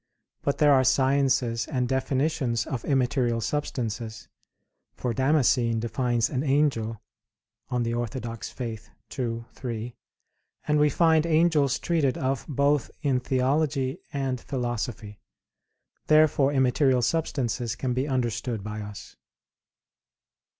But there are sciences and definitions of immaterial substances; for Damascene defines an angel (De Fide Orth. ii, 3); and we find angels treated of both in theology and philosophy. Therefore immaterial substances can be understood by us.